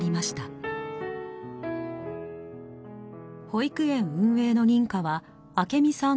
保育園運営の認可は明美さん